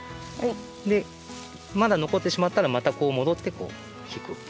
でまだのこってしまったらまたこうもどってひく。